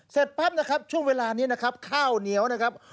เสร็จปั๊บนะครับช่วงเวลานี้นะครับข้าวเหนียวนะครับ